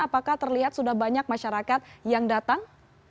apakah terlihat sudah banyak masyarakat yang datang